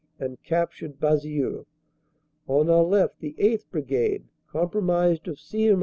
and captured Basieux. On our left the 8th. Brigade, comprised of C.M.